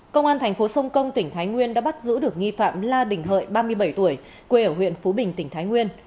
công an thành phố sông công tỉnh thái nguyên đã bắt giữ được nghi phạm la đình hợi ba mươi bảy tuổi quê ở huyện phú bình tỉnh thái nguyên